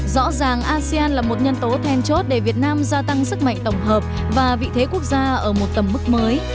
rõ ràng asean là một nhân tố then chốt để việt nam gia tăng sức mạnh tổng hợp và vị thế quốc gia ở một tầm mức mới